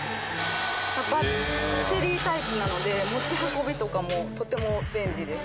バッテリータイプなので持ち運びとかもとっても便利です。